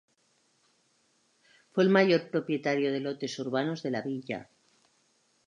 Fue el mayor propietario de lotes urbanos de la villa.